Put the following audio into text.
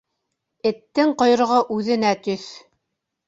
Эттең ҡойроғо үҙенә төҫ.